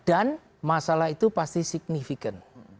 dan masalah itu pasti signifikan